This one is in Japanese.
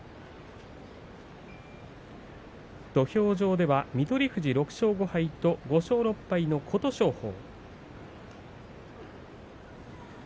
土俵上では翠富士６勝５敗と５勝６敗の琴勝峰。